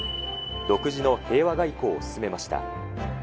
独自の平和外交を進めました。